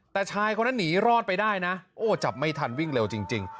แต่ชายคนนั้นหนีรอดไปได้นะโอ้จับไม่ทันวิ่งเร็วจริง